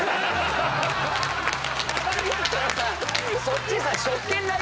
そっちさ。